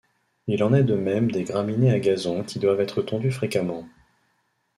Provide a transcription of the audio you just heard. Il en est de même des graminées à gazon qui doivent être tondues fréquemment.